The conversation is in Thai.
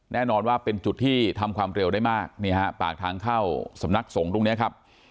แน่นอนว่าเป็นจุดที่ทำความเร็วได้มากนี่ฮะปากทางเข้าสำนักสงฆ์ตรงนี้ครับ